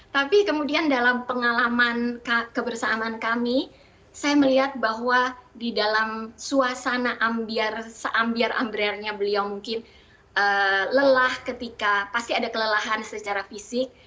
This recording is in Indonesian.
tapi kemudian dalam pengalaman kebersamaan kami saya melihat bahwa di dalam suasana ambiar seambiar ambre nya beliau mungkin lelah ketika pasti ada kelelahan secara fisik